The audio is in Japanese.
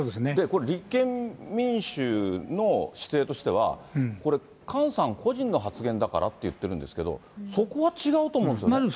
これ、立憲民主のしていとしてはこれ、菅さん個人の発言だからって言ってるんですけど、そこは違うと思うんですよね。